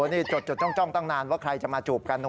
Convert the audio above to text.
นี่ไงเขาจูบกัน